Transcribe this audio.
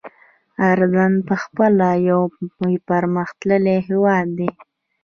اردن پخپله یو پرمختللی هېواد دی.